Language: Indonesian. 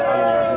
makasih ya allah